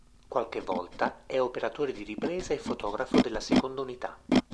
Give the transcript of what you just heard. Qualche volta è operatore di ripresa e fotografo della seconda unità.